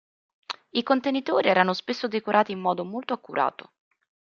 I contenitori erano spesso decorati in modo molto accurato.